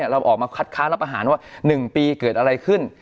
เราออกมาคัดค้านรับอาหารว่า๑ปีเกิดอะไรขึ้น